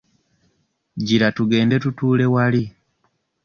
Gira tugende tutuule wali.